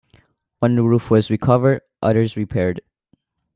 One roof was recovered others repaired.